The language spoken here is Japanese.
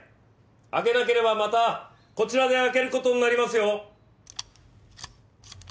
開けなければまたこちらで開ける事になりますよ！